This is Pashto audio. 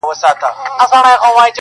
مشر زوى ته يې په ژوند كي تاج پر سر كړ٫